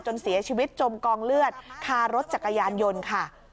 เสียชีวิตจมกองเลือดคารถจักรยานยนต์ค่ะ